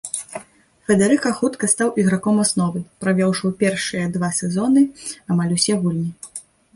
Федэрыка хутка стаў іграком асновы, правёўшы ў першыя два сезоны амаль усе гульні.